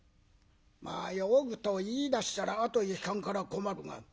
「まあ酔うと言いだしたらあとへ引かんから困るな。